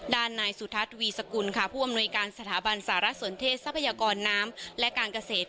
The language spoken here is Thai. นายสุทัศน์วีสกุลค่ะผู้อำนวยการสถาบันสารสนเทศทรัพยากรน้ำและการเกษตร